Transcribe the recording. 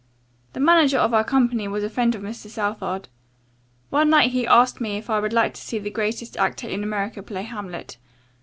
The manager of our company was a friend of Mr. Southard. One night he asked me if I would like to see the greatest actor in America play 'Hamlet.'